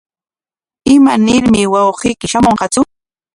¿Imanarmi wawqiyki shamunqatsu?